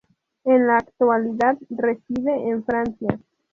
En la actualidad reside en Francia.